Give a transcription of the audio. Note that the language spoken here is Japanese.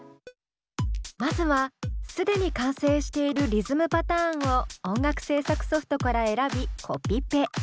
まずは既に完成しているリズムパターンを音楽制作ソフトから選びコピペ。